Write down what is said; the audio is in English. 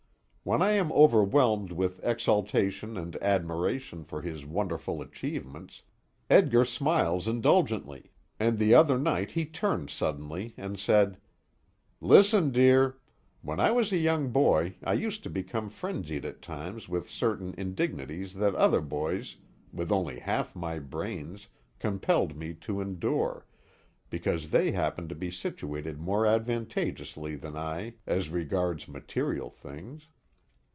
When I am overwhelmed with exaltation and admiration for his wonderful achievements, Edgar smiles indulgently, and the other night he turned suddenly and said: "Listen, dear! When I was a young boy, I used to become frenzied at times with certain indignities that other boys with only half my brains compelled me to endure, because they happened to be situated more advantageously than I as regards material things.